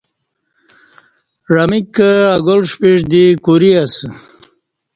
عمیک کں اگال ݜپِݜ دی کوری اسہ